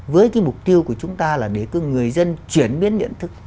với cái mục tiêu của chúng ta là để người dân chuyển biến điện thức